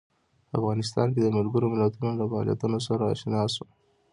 په افغانستان کې د ملګرو ملتونو له فعالیتونو سره آشنا شو.